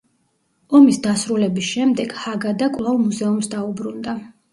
ომის დასრულების შემდეგ ჰაგადა კვლავ მუზეუმს დაუბრუნდა.